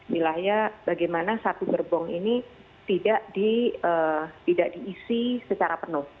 wilayah bagaimana satu gerbong ini tidak diisi secara penuh